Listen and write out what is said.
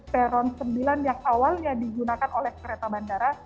peron sembilan yang awalnya digunakan oleh kereta bandara